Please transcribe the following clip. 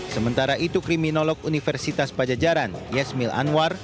sementara itu kriminolog universitas pajajaran yasmil anwar